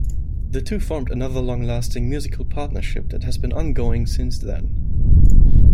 The two formed another long lasting musical partnership that has been ongoing since then.